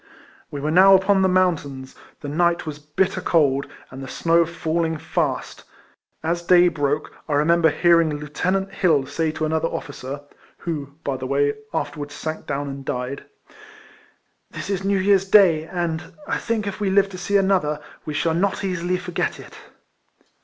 We were now upon the mountains; the night was bitter cold, and the snow falling fast. As day broke, I remember hearing Lieutenant Hill say to another officer (who, by the way, afterwards sank down, and died), " This is Xew Year's Day ; and, I think if we live to see another, we shall not easily forget it."